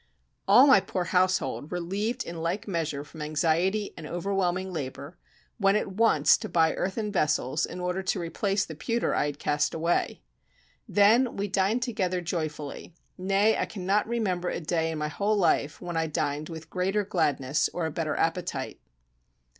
All my poor household, relieved in like measure from anxiety and overwhelming labor, went at once to buy earthen vessels in order to replace the pewter I had cast away. Then we dined together joyfully: nay, I cannot remember a day in my whole life when I dined with greater gladness or a better appetite.